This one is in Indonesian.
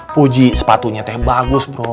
puji sepatunya teh bagus bro